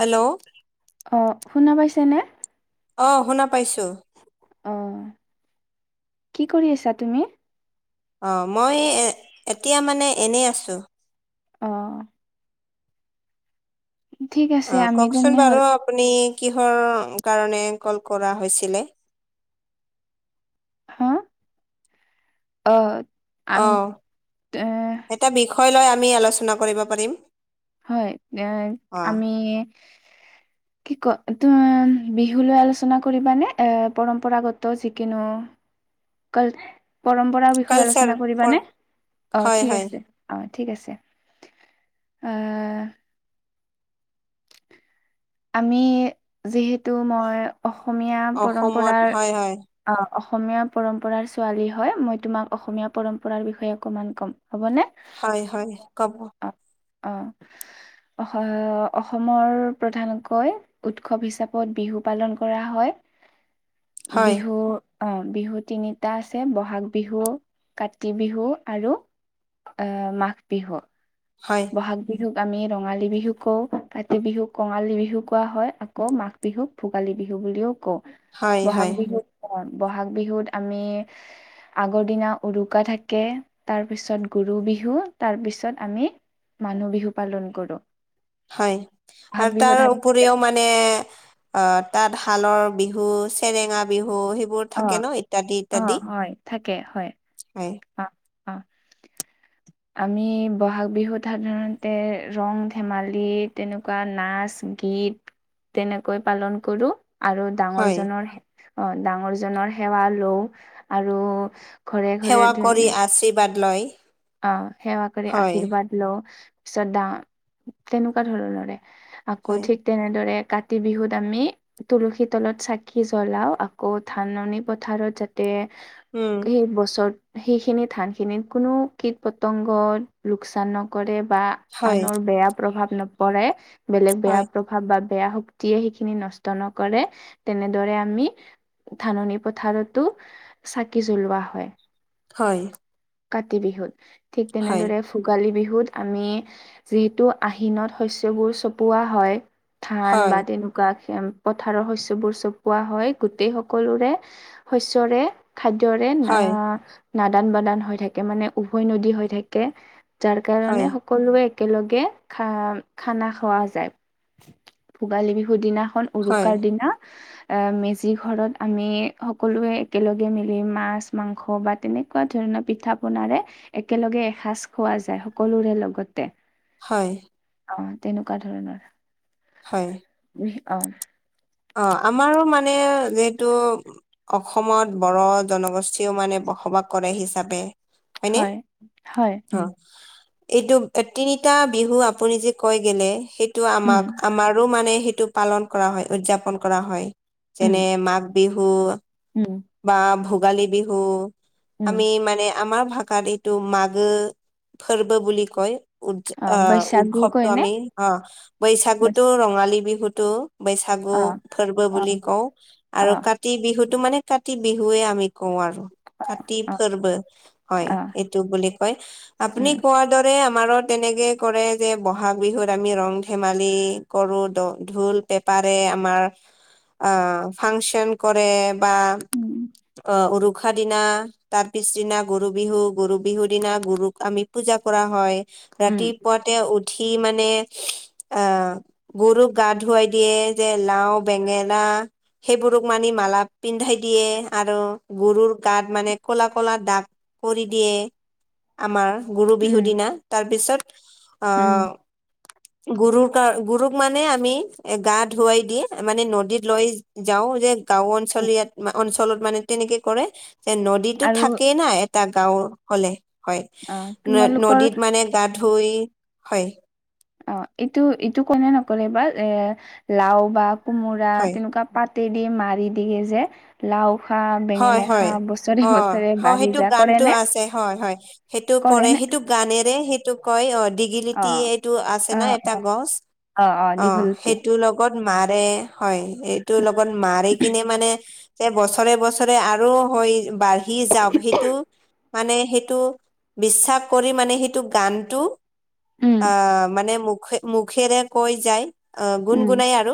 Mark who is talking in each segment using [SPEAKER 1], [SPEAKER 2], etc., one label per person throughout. [SPEAKER 1] Hello?
[SPEAKER 2] অ', শুনা পাইছেনে?
[SPEAKER 1] অ', শুনা পাইছো।
[SPEAKER 2] অ', কি কৰি আছা তুমি?
[SPEAKER 1] অ', মই এতিয়া মানে এনেই আছোঁ।
[SPEAKER 2] অ'। ঠিক আছে
[SPEAKER 1] অ',
[SPEAKER 2] আমি
[SPEAKER 1] কওকচোন বাৰু
[SPEAKER 2] তেনেহ'লে
[SPEAKER 1] আপুনি কিহৰ কাৰণে ক'ল কৰা হৈছিলে?
[SPEAKER 2] হা? অ', আমি
[SPEAKER 1] অঁ এটা বিষয় লৈ আমি আলোচনা কৰিব পাৰিম।
[SPEAKER 2] হয়, এ
[SPEAKER 1] অঁ
[SPEAKER 2] আমি কি কয় বিহু লৈ আলোচনা কৰিবানে এ, পৰম্পৰাগত যিকোনো কল পৰম্পৰাৰ বিষয়ে
[SPEAKER 1] কালচাৰ
[SPEAKER 2] আলোচনা
[SPEAKER 1] পৰ
[SPEAKER 2] কৰিবানে? অ',
[SPEAKER 1] হয়
[SPEAKER 2] ঠিক
[SPEAKER 1] হয়
[SPEAKER 2] আছে। অ', ঠিক আছে। অ'। আমি যিহেতু, মই অসমীয়া
[SPEAKER 1] অসমত
[SPEAKER 2] পৰম্পৰাৰ
[SPEAKER 1] হয় হয়
[SPEAKER 2] অ', অসমীয়া পৰম্পৰাৰ ছোৱালী হয়, মই তোমাক অসমীয়া পৰম্পৰাৰ বিষয়ে অকমান ক'ম। হ'বনে?
[SPEAKER 1] হয়, হয়, ক'ব।
[SPEAKER 2] অ', হয়, হয়, অসমৰ প্ৰধান কৈ, উৎসৱ হিচাপত, বিহু পালন কৰা হয়।
[SPEAKER 1] হয়
[SPEAKER 2] বিহু অ', বিহু তিনিটা আছে, ব'হাগ বিহু, কাতি বিহু আৰু এ মাঘ বিহু।
[SPEAKER 1] হয়।
[SPEAKER 2] ব'হাগ বিহুক আমি, ৰঙালী বিহু কওঁ, কাতি বিহুক, কঙালী বিহু কোৱা হয়। আকৌ মাঘ বিহুক ভোগালী বিহু বুলিও কওঁ,
[SPEAKER 1] হয়
[SPEAKER 2] বহাগ
[SPEAKER 1] হয়
[SPEAKER 2] বিহুক অ', ব'হাগ বিহুত, আমি আগৰ দিনা উৰুকা থাকে, তাৰপিছত, গৰু বিহু, তাৰপিছত আমি মানুহ বিহু, পালন কৰোঁ।
[SPEAKER 1] হয়,
[SPEAKER 2] বহাগ
[SPEAKER 1] আৰু
[SPEAKER 2] বিহুত
[SPEAKER 1] তাৰ উপৰিও মানে, অ', তাতশালৰ বিহু চেৰেঙা বিহু সেইবোৰ
[SPEAKER 2] অ
[SPEAKER 1] থাকে ন। ইত্যাদি,
[SPEAKER 2] অ
[SPEAKER 1] ইত্যাদি,
[SPEAKER 2] হয় থাকে হয়
[SPEAKER 1] হয়।
[SPEAKER 2] অ', অ'। আমি ব'হাগ বিহুত, সাধাৰণতে, ৰং-ধেমালি তেনেকুৱা কোৱা, নাচ-গীত তেনেকৈ পালন কৰোঁ। আৰু ডাঙৰ
[SPEAKER 1] হয়
[SPEAKER 2] জনৰ, অ' ডাঙৰ জনৰ, সেৱা লওঁ, আৰু ঘৰে, ঘৰে
[SPEAKER 1] সেৱা
[SPEAKER 2] ধুন
[SPEAKER 1] কৰি আশীৰ্বাদ লয়।
[SPEAKER 2] অ', সেৱা কৰি
[SPEAKER 1] হয়
[SPEAKER 2] আশীৰ্বাদ লওঁ, পিছত ডাঙৰ, তেনেকুৱা ধৰণৰে। আকৌ,
[SPEAKER 1] হয়
[SPEAKER 2] ঠিক তেনেদৰে কাতি বিহুত, আমি তুলসী তলত চাকি জ্বলাও, আকৌ ধাননি পথাৰত যাতে
[SPEAKER 1] উম।
[SPEAKER 2] সেই বছৰত, সেইখিনি ধানখিনিত কোনো কীট-পতংগ, লোকচান নকৰে। বা,
[SPEAKER 1] হয়
[SPEAKER 2] আনৰ বেয়া প্ৰভাৱ নপৰে বেলেগ বেয়া
[SPEAKER 1] হয়
[SPEAKER 2] প্ৰভাৱ বা বেয়া শক্তিয়ে, সেইখিনি নষ্ট নকৰে, তেনেদৰে আমি ধাননি পথাৰটো, চাকি জ্বলোৱা হয়।
[SPEAKER 1] হয়।
[SPEAKER 2] কাতি বিহুত, ঠিক
[SPEAKER 1] হয়
[SPEAKER 2] তেনেদৰে ভোগালী বিহুত, আমি যিহেতু, আহিনত শস্যবোৰ চপোৱা হয়। ধান
[SPEAKER 1] হয়
[SPEAKER 2] বা তেনেকুৱা খেম পথাৰৰ শস্যবোৰ চপোৱা হয়, গোটেই সকলোৰে, শস্যৰে খাদ্যৰে না,
[SPEAKER 1] হয়
[SPEAKER 2] নাদান-বাদান হৈ থাকে মানে, উভৈ নদী হৈ থাকে। যাৰ
[SPEAKER 1] হয়
[SPEAKER 2] কাৰণে, সকলোৱে একেলগে খা খানা খোৱা যায়। ভোগালী বিহুৰ দিনাখন,
[SPEAKER 1] হয়
[SPEAKER 2] উৰুকাৰ দিনা আ, মেজি ঘৰত, আমি সকলোৱে একেলগে মিলি, মাছ, মাংস বা তেনেকুৱা ধৰণৰ পিঠা-পনাৰে, একেলগে এসাঁজ খোৱা যায়, সকলোৰে লগতে
[SPEAKER 1] হয়।
[SPEAKER 2] অ', তেনেকুৱা ধৰণৰ।
[SPEAKER 1] হয়।
[SPEAKER 2] অ'।
[SPEAKER 1] অ', আমাৰো মানে যিহেতু অসমত বড় জনগোষ্ঠীও মানে বসবাস কৰে হিচাপে। হয়নে?
[SPEAKER 2] হয় হয় উম
[SPEAKER 1] অ' এইটোক তিনিটা বিহু আপুনি যে কয় গেলে, সেইটো
[SPEAKER 2] উম
[SPEAKER 1] আমাক, আমাৰো মানে সেইটো পালন কৰা হয়, উদযাপন কৰা হয়।
[SPEAKER 2] উম
[SPEAKER 1] যেনে- মাঘ বিহু।
[SPEAKER 2] উম'।
[SPEAKER 1] বা ভোগালী বিহু,
[SPEAKER 2] উম
[SPEAKER 1] আমি মানে আমাৰ ভাষাত এইটো মাঘ খাৰ্ব বুলি ক'য়।
[SPEAKER 2] অ
[SPEAKER 1] আ'
[SPEAKER 2] বৈশাগু
[SPEAKER 1] উৎসৱটো
[SPEAKER 2] কয় নে
[SPEAKER 1] আমি, অ'
[SPEAKER 2] বৈশ
[SPEAKER 1] বৈশাগুতো ৰঙালী বিহুটো। বৈশাগু
[SPEAKER 2] অ
[SPEAKER 1] খাৰ্ব
[SPEAKER 2] অ
[SPEAKER 1] বুলি কওঁ,
[SPEAKER 2] অ
[SPEAKER 1] আৰু কাতি বিহুটো মানে কাতি বিহুৱে আমি কওঁ আৰু, কাতি
[SPEAKER 2] অ
[SPEAKER 1] পৰ্ব হয়।
[SPEAKER 2] অ
[SPEAKER 1] এইটো বুলি কয়। আপুনি
[SPEAKER 2] উম
[SPEAKER 1] কোৱাৰ দৰে আমাৰো তেনেকে কৰে যে, বহাগ বিহুত আমি ৰং ধেমালি কৰোঁ দ, ঢোল, পেপাৰে আমাৰ, আ ফাংচন কৰে বা
[SPEAKER 2] উম
[SPEAKER 1] আ' উৰু উশাহ দিনা, তাৰ পিছদিনা গৰু বিহু, গৰু বিহুৰ দিনা গৰুক আমি পূজা কৰা হয়।
[SPEAKER 2] উম
[SPEAKER 1] ৰাতিপুৱাতে উঠি মানে আ গৰুক গা ধুৱাই দিয়ে যে লাও, বেঙেনা। সেইবোৰক মানি মালা পিন্ধাই দিয়ে আৰু গৰুৰ গাত মানে ক'লা ক'লা দাগ, কৰি দিয়ে। আমাৰ গৰু বিহু
[SPEAKER 2] উম
[SPEAKER 1] দিনা, তাৰপিছত আ
[SPEAKER 2] [inaudible]
[SPEAKER 1] গৰুৰ কাৰ গৰুক মানে আমি, এ গা ধুৱাই দি মানে নদীত লৈ যাওঁ যে গাঁও
[SPEAKER 2] উম
[SPEAKER 1] অঞ্চলিয়া অঞ্চলত মানে তেনেকে কৰে, এ নদীতো
[SPEAKER 2] আৰু
[SPEAKER 1] থাকেই না এটা গাওঁ হ'লে হয়,
[SPEAKER 2] অ তোমালোকৰ
[SPEAKER 1] নদীত মানে গা ধুই, হয়।
[SPEAKER 2] অ' এইটো এইটো কোনে নকলে বা এ লাও বা কোমোৰা
[SPEAKER 1] হয়
[SPEAKER 2] তেনেকুৱা পাতি দি মাৰি দিয়ে যে। লাও খা,
[SPEAKER 1] হয়
[SPEAKER 2] বেঙেনা
[SPEAKER 1] হয়
[SPEAKER 2] খা, বছৰে
[SPEAKER 1] অ
[SPEAKER 2] বছৰে
[SPEAKER 1] অ
[SPEAKER 2] বাঢ়ি
[SPEAKER 1] সেইটো
[SPEAKER 2] যা কৰে
[SPEAKER 1] গানটো
[SPEAKER 2] নে?
[SPEAKER 1] আছে হয় হয় সেইটো কৰে, সেইটো গানেৰে সেইটোক কয় অ' দি
[SPEAKER 2] অ
[SPEAKER 1] গিলিতি এইটো আছে
[SPEAKER 2] অ
[SPEAKER 1] ন' এটা গছ, অ' সেইটো লগ লগত মাৰে, হয়' এইটো লগত মাৰি কিনে মানে যে বছৰে বছ ৰে আৰু হয় বাঢ়ি যাওঁক সেইটো মানে সেইটো বিশ্বাস কৰি মানে সেইটো গানটো
[SPEAKER 2] উম
[SPEAKER 1] আ মানে মুখে মুখেৰে কৈ যায়। আ গুণ
[SPEAKER 2] উম
[SPEAKER 1] গুণাই আৰু,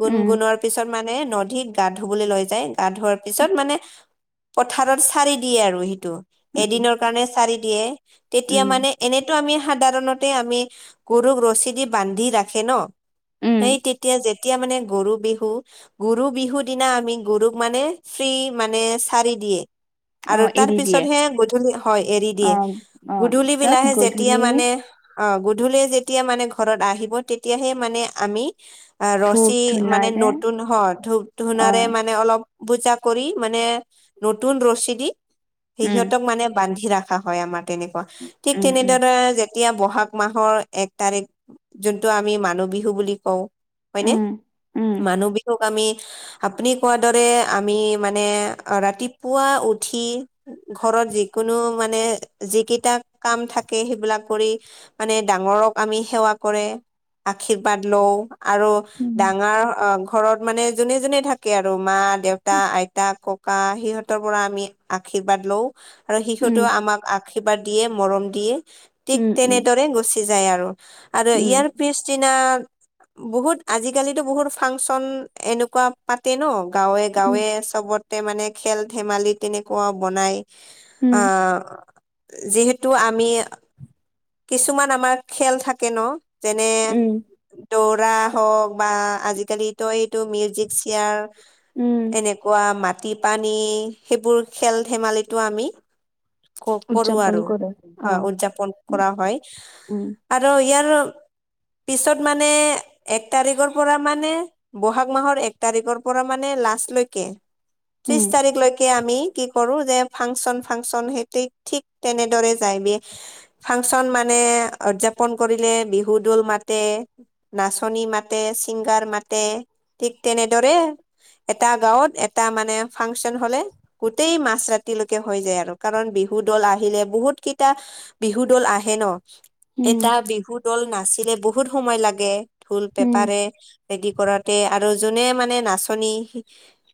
[SPEAKER 1] গুণ
[SPEAKER 2] উম
[SPEAKER 1] গুণোৱাৰ পিছত মানে নদীত গা ধুবলে লৈ যায়, গা ধোৱা পিছত মানে, পথাৰত চাৰি দিয়ে আৰু সিটো
[SPEAKER 2] উম
[SPEAKER 1] এদিনৰ কাৰণে চাৰি দিয়ে, তেতিয়া
[SPEAKER 2] উম
[SPEAKER 1] মানে এনেতো আমি সাধাৰণতে আমি গৰুক ৰছী দি বান্ধি ৰাখে ন'।
[SPEAKER 2] উম
[SPEAKER 1] এই তেতিয়া যেতিয়া মানে গৰু বিহু, গৰু বিহু দিনা আমি গৰুক মানে ফ্ৰী মানে চাৰি দিয়ে।
[SPEAKER 2] অ
[SPEAKER 1] আৰু তাৰ
[SPEAKER 2] এৰি দিয়ে
[SPEAKER 1] পিছতহে গধূলি হয় এৰি
[SPEAKER 2] অ
[SPEAKER 1] দিয়ে,
[SPEAKER 2] অ
[SPEAKER 1] গধূল
[SPEAKER 2] পিছত
[SPEAKER 1] বিলাহে যেতিয়া
[SPEAKER 2] গধূলি
[SPEAKER 1] মানে অ' গধূলি যেতিয়া মানে ঘৰত আহিব তেতিয়াহে মানে আমি অ'
[SPEAKER 2] ধূপ
[SPEAKER 1] ৰছী
[SPEAKER 2] ধূনা
[SPEAKER 1] মানে
[SPEAKER 2] যে
[SPEAKER 1] নতুন হয়, ধূপ
[SPEAKER 2] অ
[SPEAKER 1] ধুনাৰে মানে অলপ পূজা কৰি, মানে নতুন ৰছী দি।
[SPEAKER 2] উম
[SPEAKER 1] সিহঁতক মানে বান্ধি ৰাখা হয় আমাৰ তেনেকুৱা, ঠিক
[SPEAKER 2] উম উম
[SPEAKER 1] তেনেদৰে এতিয়া বহাগ মাহৰ এক তাৰিখ, যোনটো আমি মানুহ বিহু বুলি কওঁ। হয়নে,
[SPEAKER 2] উম উম
[SPEAKER 1] মানুহ বিহুক আমি আপুনি কোৱাৰ দৰে আমি মানে ৰাতিপুৱা উঠি। ঘৰত যিকোনো মানে যিকেইটা কাম থাকে সেইবিলাক কৰি মানে ডাঙৰক আমি সেৱা কৰে আশীৰ্বাদ লওঁ। আৰু ডাঙৰ ঘৰত মানে যোনে যোনে থাকে আৰু মা দেউ দেউতা, আইতা, ককা সিহঁতৰ পৰা আমি আশীৰ্বাদ লও আৰু
[SPEAKER 2] উম
[SPEAKER 1] সিহঁতেও আমাক আশীৰ্বাদ দিয়ে মৰম দিয়ে
[SPEAKER 2] উম
[SPEAKER 1] ঠিক
[SPEAKER 2] উম
[SPEAKER 1] তেনেদৰে গুচি যায় আৰু। আৰু
[SPEAKER 2] উম
[SPEAKER 1] ইয়াৰ পিছ দিনা বহুত আজিকালিতো বহুত ফাংচন এনেকুৱা পাতে ন গাঁওত
[SPEAKER 2] উম
[SPEAKER 1] গাঁৱে চবতে মানে খেল ধেমালি তেনেকুৱা বনাই
[SPEAKER 2] উম
[SPEAKER 1] আহ যিহেতু আমি কিছুমান আমাৰ খেল থাকে ন। যেনে
[SPEAKER 2] উম
[SPEAKER 1] দৌৰা হওক বা আজিকালিটো এইটো মিউজিক চেয়াৰ।
[SPEAKER 2] উম,
[SPEAKER 1] এনেকুৱা মাটি পানী সেইবোৰ খেল ধেমালিতো আমি ক কৰো
[SPEAKER 2] উদযাপন
[SPEAKER 1] আৰু
[SPEAKER 2] কৰে অ,
[SPEAKER 1] হয় উদযাপন
[SPEAKER 2] উম,
[SPEAKER 1] কৰা হয়।
[SPEAKER 2] উম,
[SPEAKER 1] আৰু ইয়াৰ পিছত মানে এক তাৰিখৰ পৰা মানে। বহাগ মাহৰ এক তাৰিখৰ পৰা মানে লাষ্টলৈকে ত্ৰিশ তাৰিখলৈকে আমি কি কৰো যে ফাংচন ফাংচন সেইটো ঠিক তেনেদৰে যায়গে। ফাংচন মানে উদযাপন কৰিলে বিহু দল মাতে। নাচনী মাতে ছিংগাৰ মাতে ঠিক তেনেদৰে। এটা গাঁৱত এটা মানে ফাংচন হ'লে। গোটেই মাজ ৰাতিলৈকে হৈ যায় আৰু কাৰণ বিহু দল আহিলে বহুত কেইটা বিহু দল আহে ন। এটা
[SPEAKER 2] উম,
[SPEAKER 1] বিহু দল নাচিলে বহুত সময় লাগে ঢোল
[SPEAKER 2] উম,
[SPEAKER 1] পেপাৰে। ৰেডি কৰাতে আৰু যোনে মানে নাচনী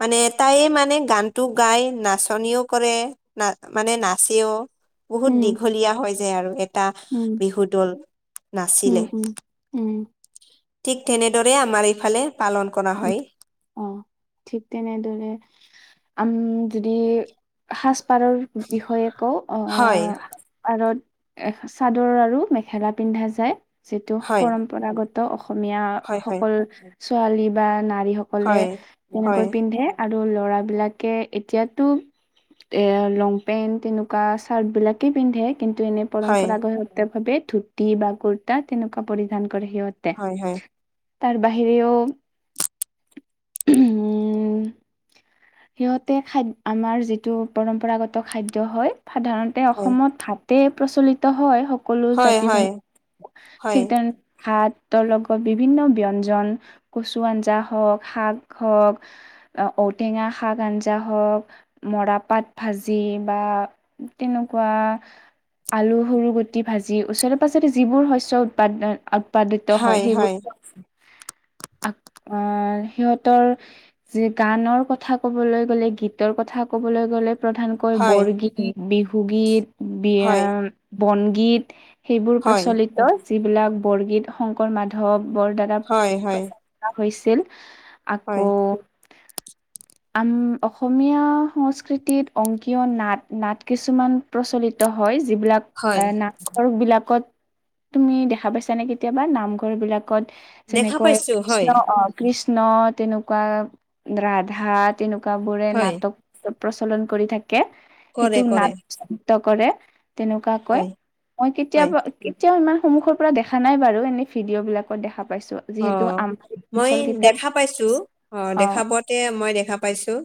[SPEAKER 1] মানে তাইয়ে মানে গানতটো গায় নাচনিও কৰে। না মানে নাচেও বহুত
[SPEAKER 2] উম,
[SPEAKER 1] দীঘলীয়া হৈ যায় আৰু এটা
[SPEAKER 2] উম',
[SPEAKER 1] বিহু দল নাচিলে
[SPEAKER 2] উম' উম', উম'।
[SPEAKER 1] ঠিক তেনেদৰে আমাৰ এইফালে পালন কৰা
[SPEAKER 2] উম,
[SPEAKER 1] হয়।
[SPEAKER 2] অ' ঠিক তেনেদৰে আম যদি সাজ-পাৰৰ বিষয়ে কও আহ
[SPEAKER 1] হয়
[SPEAKER 2] আ- আৰত এ চাদৰ আৰু মেখেলা পিন্ধা যায় যিটো
[SPEAKER 1] হয়
[SPEAKER 2] পৰম্পৰাগত পৰম্পৰাগত অসমীয়া
[SPEAKER 1] হয় হয়
[SPEAKER 2] সকল ছোৱালী বা নাৰী সকলে
[SPEAKER 1] হয় হয়
[SPEAKER 2] তেনেকৈ পিন্ধে আৰু ল'ৰা বিলাকে এতিয়াতো এ লংপেণ্ট তেনেকুৱা চাৰ্টবিলাকেই পিন্ধে কিন্তু এনে
[SPEAKER 1] হয়
[SPEAKER 2] পৰম্পৰাগত ভাৱে ধুতি বা কুৰ্তা তেনেকুৱা পৰিধান কৰে সিহঁতে।
[SPEAKER 1] হয়
[SPEAKER 2] তাৰ বাহিৰেও [unintelligible] সিহঁতে খাদ- আমাৰ যিটো পৰম্পৰাগত খাদ্য হয় সাধাৰণ সাধাৰণতে
[SPEAKER 1] হয়
[SPEAKER 2] অসমত ভাতে প্ৰচলিত হয় সকলো
[SPEAKER 1] হয়
[SPEAKER 2] জাতি
[SPEAKER 1] হয়
[SPEAKER 2] জন-
[SPEAKER 1] হয়
[SPEAKER 2] ঠিক তেনে ভাতৰ লগত বিভিন্ন ব্যঞ্জন কচু আঞ্জা হওক শাক হওক ঔটেঙা শাক আঞ্জা হওক মৰাপাত ভাজি বা তেনেকুৱা আলু সৰু গুটি ভাজি ওচৰে পাজৰে যিবোৰ শস্য উৎপাদন উৎপাদিত হয় সেইবোৰ আ অ' সিহঁতৰ যি গানৰ কথা ক'বলৈ গ'লে গীতৰ কথা ক'বলৈ গ'লে প্ৰধান কৈ
[SPEAKER 1] হয়
[SPEAKER 2] বৰগীত, বিহুগীত, বিয়া বনগীত সেইবোৰ
[SPEAKER 1] হয়
[SPEAKER 2] প্ৰচলিত যিবিলাক বৰগীত শংকৰ মাধৱ বৰদাদা
[SPEAKER 1] হয় হয়।
[SPEAKER 2] হৈছিল
[SPEAKER 1] হয়।
[SPEAKER 2] আকৌ আম অসমীয়া সংস্কৃতিত অংকীয় নাট নাট কিছুমান প্ৰচলিত হয় যিবিলাক
[SPEAKER 1] হয়
[SPEAKER 2] আহ নামঘৰ বিলাকত তুমি দেখা পাইছানে কেতিয়াবা নামঘৰ বিলাকত
[SPEAKER 1] দেখা
[SPEAKER 2] যেনেকৈ
[SPEAKER 1] পাইছোঁ।
[SPEAKER 2] কৃষ্ণ আহ কৃষ্ণ তেনেকুৱা ৰাধা তেনেকুৱা বোৰে
[SPEAKER 1] হয়
[SPEAKER 2] নাটক প্ৰচলন কৰি থাকে
[SPEAKER 1] কৰে
[SPEAKER 2] সেইটোক নাট
[SPEAKER 1] কৰে
[SPEAKER 2] প্ৰচলিত কৰে। তেনেকুৱা কৈ
[SPEAKER 1] হয়
[SPEAKER 2] মই
[SPEAKER 1] হয়
[SPEAKER 2] কেতিয়াবা এতিয়াও ইমান সন্মুখৰ পৰা দেখা নাই বাৰু এনে ভিডিঅ' বিলাকত দেখা পাইছো
[SPEAKER 1] অ
[SPEAKER 2] যিহেতু আম
[SPEAKER 1] মই দেখা পাইছোঁ অ' দেখা পাওতে মই দেখা পাইছোঁ।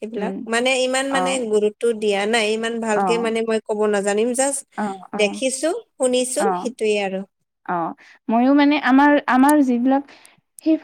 [SPEAKER 1] সেইবিলাক
[SPEAKER 2] উম
[SPEAKER 1] মানে ইমান
[SPEAKER 2] অ
[SPEAKER 1] মানে গুৰুত্ব দিয়া নাই ইমান
[SPEAKER 2] অ
[SPEAKER 1] ভালকে মানে মই কব নাজানিম জাষ্ঠ
[SPEAKER 2] অ অ
[SPEAKER 1] দেখিছো শুনিছো
[SPEAKER 2] অ
[SPEAKER 1] সেইটোৱে আৰু।
[SPEAKER 2] অ' মইয়ো মানে আমাৰ আমাৰ যিবিলাক সেই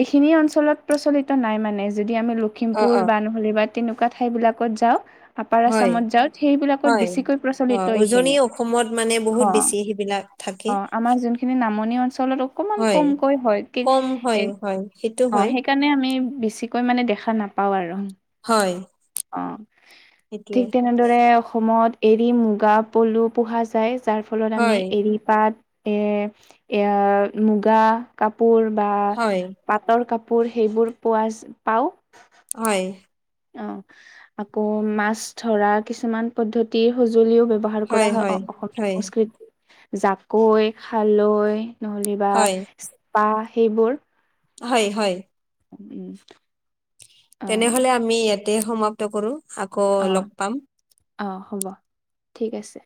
[SPEAKER 2] এইখিনি অঞ্চলত প্ৰচলিত নাই মানে যদি আমি লোক
[SPEAKER 1] অ
[SPEAKER 2] লখিমপুৰ
[SPEAKER 1] অ
[SPEAKER 2] বা নহলে বা তেনেকুৱা ঠাইবিলাকত যাওঁ। আপাৰ
[SPEAKER 1] হয়
[SPEAKER 2] আছামত যাওঁ সেইবিলাকত
[SPEAKER 1] হয়
[SPEAKER 2] বেছিকৈ
[SPEAKER 1] অ
[SPEAKER 2] প্ৰচলিত
[SPEAKER 1] উজনি
[SPEAKER 2] এইখিনি
[SPEAKER 1] অসমত মানে বহুত
[SPEAKER 2] অ'।
[SPEAKER 1] বেছি সেইবিলাক থাকে
[SPEAKER 2] আমাৰ যোনখিনি নামনি অঞ্চলত অকমান
[SPEAKER 1] হয়
[SPEAKER 2] কমকৈ হয় কি এ অ'
[SPEAKER 1] কম হয়
[SPEAKER 2] সেই
[SPEAKER 1] হয় সেইটো হয়
[SPEAKER 2] সেইকাৰণে আমি বেছিকৈ মানে দেখা নাপাওঁ আৰু।
[SPEAKER 1] হয়।
[SPEAKER 2] অ',
[SPEAKER 1] সেইটোৱে
[SPEAKER 2] ঠিক তেনে এনেদৰে অসমত এৰী মূগা পলু পোহা যায় যাৰ ফলত আমি
[SPEAKER 1] হয়
[SPEAKER 2] এৰী পাত এৰ এ মুগা কাপোৰ বা
[SPEAKER 1] হয়
[SPEAKER 2] পাটৰ কাপোৰ সেইবোৰ পোৱা পাওঁ।
[SPEAKER 1] হয়।
[SPEAKER 2] অ' আকৌ মাছ ধৰা কিছুমান পদ্ধতিৰ সঁজুলিও ব্যৱহাৰ প্ৰচাৰ কৰা হয় অ অসমীয়া সংস্কৃতি জাকৈ খালৈ নহ'লে বা
[SPEAKER 1] হয়
[SPEAKER 2] পেঁপা সেইবোৰ।
[SPEAKER 1] হয়, হয়।
[SPEAKER 2] উম। অ
[SPEAKER 1] তেনেহলে আমি ইয়াতে সমাপ্ত কৰো আকৌ লগ পাম।
[SPEAKER 2] অঁ হ'ব ঠিক আছে।